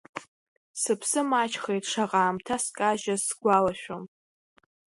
Сыԥсы маҷхеит, шаҟа аамҭа скажьыз сгәалашәом.